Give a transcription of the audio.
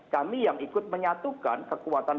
kami yang ikut menyatukan kekuatan